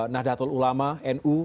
nahdlatul ulama nu